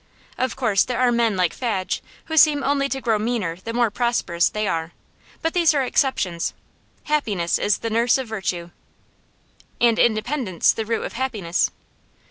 Of course there are men, like Fadge, who seem only to grow meaner the more prosperous they are; but these are exceptions. Happiness is the nurse of virtue.' 'And independence the root of happiness.